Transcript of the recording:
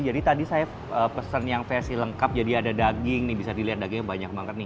jadi tadi saya pesen yang versi lengkap jadi ada daging nih bisa dilihat dagingnya banyak banget nih